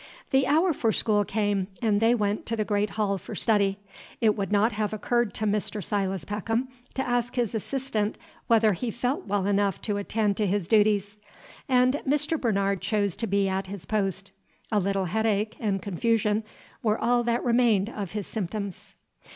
The hour for school came, and they went to the great hall for study. It would not have occurred to Mr. Silas Peckham to ask his assistant whether he felt well enough to attend to his duties; and Mr. Bernard chose to be at his post. A little headache and confusion were all that remained of his symptoms.